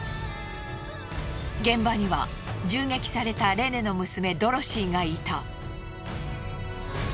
現場には銃撃されたレネの娘ドロシーがいた。